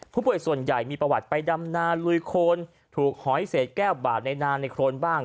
ผู้ป่วยส่วนใหญ่มีประวัติไปดำนาลุยโคนถูกหอยเศษแก้วบาดในนาในโครนบ้าง